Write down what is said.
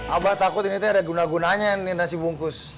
abah takut ini ada guna gunanya nih nasi bungkus